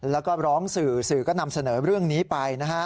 แล้วก็ร้องสื่อสื่อก็นำเสนอเรื่องนี้ไปนะฮะ